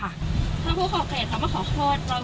ถ้าผู้ขอบเขตเขามาขอโทษ